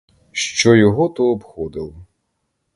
Що його то обходило!